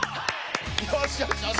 よしよしよし。